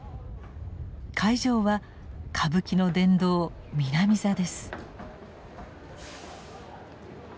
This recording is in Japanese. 会場は歌舞伎の殿堂南座です。